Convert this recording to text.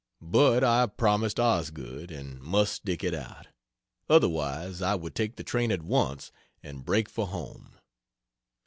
But I have promised Osgood, and must stick it out; otherwise I would take the train at once and break for home.